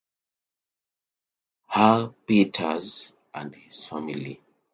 Hugh Peters and his family.